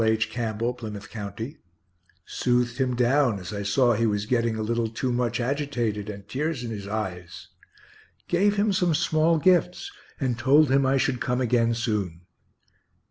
H. Campbell, Plymouth county); soothed him down as I saw he was getting a little too much agitated, and tears in his eyes; gave him some small gifts, and told him I should come again soon.